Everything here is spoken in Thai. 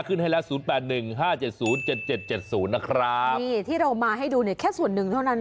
ขึ้นให้แล้ว๐๘๑๕๗๐๗๗๐นะครับนี่ที่เรามาให้ดูเนี่ยแค่ส่วนหนึ่งเท่านั้น